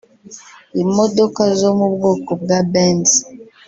imodoka zo mu bwoko bwa Benz